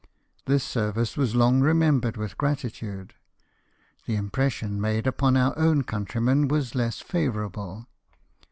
This service was long remembered with gratitude: the impression made upon our own countrymen was less favourable.